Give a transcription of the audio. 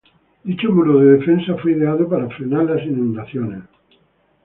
Dicho Muro de Defensa fue ideado para frenar las inundaciones.